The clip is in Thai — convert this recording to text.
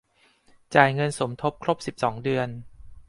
จ่ายเงินสมทบครบ สิบสอง เดือน